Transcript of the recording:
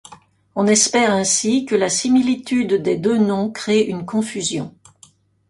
On espère ainsi que la similitude des deux noms crée une confusion.